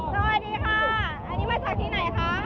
สวัสดีค่ะอันนี้มาจากที่ไหนคะ